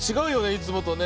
いつもとね。